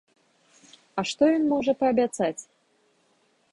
А што ён можа паабяцаць?